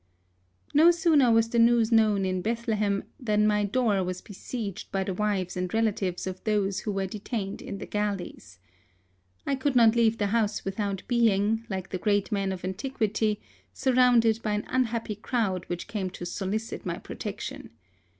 No sooner was the news known in Beth lehem than my door was besieged by the wives and relatives of those who were de tained in the galleys. I could not leave the THE SUEZ CANAL. 71 house without being, like the great men of antiquity, surrounded by an unhappy crowd which came to solicit my protection.